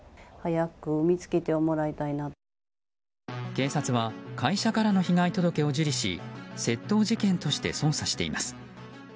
警察は、会社からの被害届を受理し窃盗事件として捜査しています。